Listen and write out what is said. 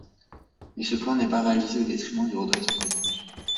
Mais ce plan n’est pas réalisé au détriment du redressement des comptes.